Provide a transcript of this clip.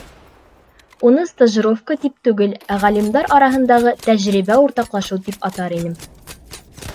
— Уны стажировка тип түгел, ә ғалимдар араһындағы тәжрибә уртаҡлашыу тип атар инем.